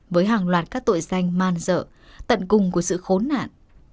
với hàng loạt các tội danh man dợ tận cùng của sự khốn nạn